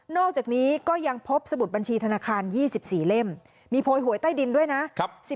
อกจากนี้ก็ยังพบสมุดบัญชีธนาคาร๒๔เล่มมีโพยหวยใต้ดินด้วยนะ